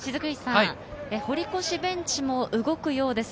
堀越ベンチも動くようです。